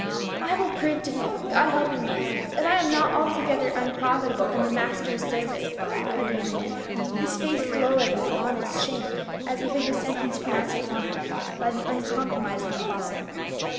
" I will prove to him — God helping me, that I am not altogether unprofitable in the Master's service," cried the young man, his face glowing with honest shame, as he heard the sentence pronounced upon him by the uncompromising apostle.